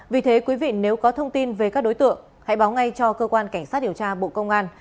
vì thế quý vị nếu có thông tin về các đối tượng hãy báo ngay cho cơ quan cảnh sát điều tra bộ công an